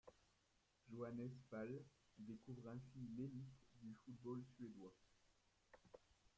Johannes Vall découvre ainsi l'élite du football suédois.